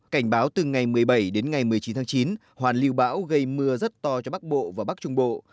cảnh báo từ ngày một mươi bảy đến ngày một mươi chín tháng chín hoàn lưu bão gây mưa rất to cho bắc bộ và bắc trung bộ